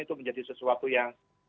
itu menjadi sesuatu yang